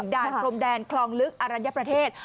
ด่านพรมแดนคลองลึกอรัญญประเทศ